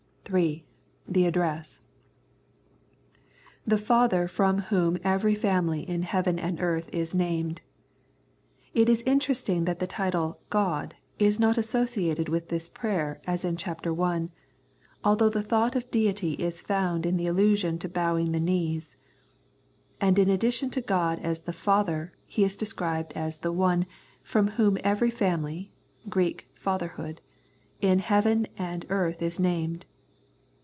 3. The Address. " The Father from Whom every family in heaven and earth is named." It is interest ing that the title " God " is not associated with this prayer as in ch. i., although the thought of Deity is found in the allusion to bowing the knees. And in addition to God as the Father He is described as the One " from Whom every family (Greek, ' father hood ') in heaven and earth is named."